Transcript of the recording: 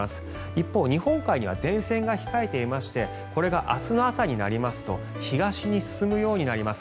一方、日本海には前線が控えていましてこれが明日の朝になりますと東に進むようになります。